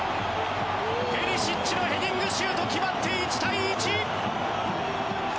ペリシッチのヘディングシュートが決まって１対１！